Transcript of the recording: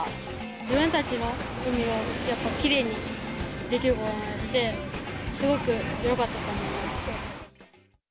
自分たちの海をやっぱりきれいにできることをやって、すごくよかったと思います。